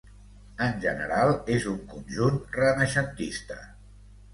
En general és un conjunt renaixentista.